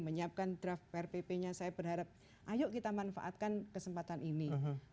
menyiapkan draft rpp nya saya berharap ayo kita manfaatkan kesempatan ini